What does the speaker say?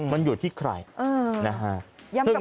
มันอยู่ที่ใครนะฮะ